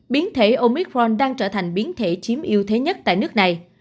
biến thể omicron đang trở thành biến thể chiếm yêu thế nhất tại nước này